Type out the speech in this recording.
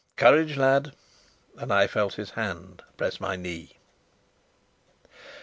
"Courage, lad!" and I felt his hand press my knee.